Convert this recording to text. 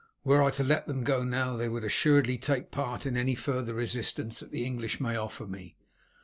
Were I to let them go now, they would assuredly take part in any further resistance that the English may offer to me.